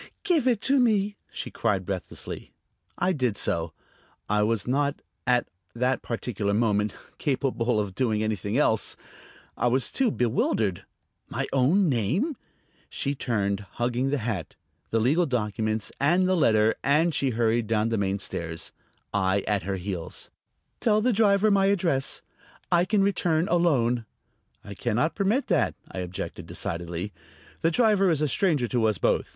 "Give it to me!" she cried breathlessly. I did so. I was not, at that particular moment, capable of doing anything else. I was too bewildered. My own name! She turned, hugging the hat, the legal documents and the letter, and hurried down the main stairs, I at her heels. "Tell the driver my address; I can return alone." "I can not permit that," I objected decidedly. "The driver is a stranger to us both.